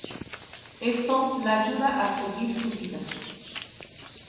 Esto la ayuda a seguir su vida.